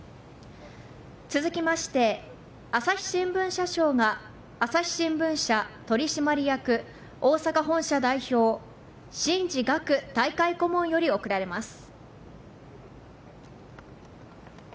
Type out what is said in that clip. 続きまして、朝日新聞社賞が、朝日新聞社取締役大阪本社代表、しんじがく大会顧問より贈られます。